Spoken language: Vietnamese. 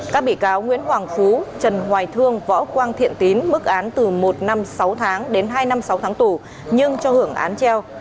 các bị cáo nguyễn hoàng phú trần hoài thương võ quang thiện tín mức án từ một năm sáu tháng đến hai năm sáu tháng tù nhưng cho hưởng án treo